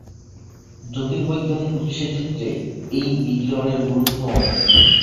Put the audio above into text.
জ্যোতির্বৈজ্ঞানিক উৎসের ক্ষেত্রে এই বিকিরণের গুরুত্ব অনেক।